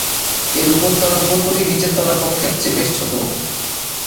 এর উপর তলার কক্ষটি নিচের তলার কক্ষের চেয়ে বেশ ছোট।